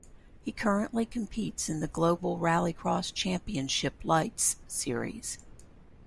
He currently competes in the Global RallyCross Championship Lites series.